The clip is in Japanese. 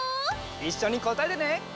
いっしょにこたえてね！